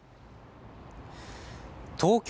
東京